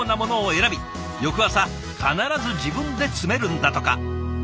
翌朝必ず自分で詰めるんだとか。